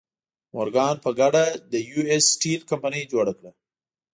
مورګان په ګډه د یو ایس سټیل کمپنۍ جوړه کړه.